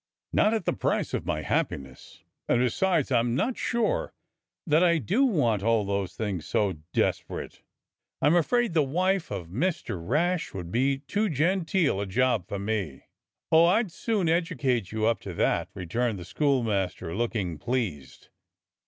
"Not at the price of my happiness; and, besides, I'm not so sure that I do want all those things so desperate. I'm afraid the wife of Mister Rash would be too genteel a job for me." "Oh, I'd soon educate you up to that," returned the schoolmaster, looking pleased.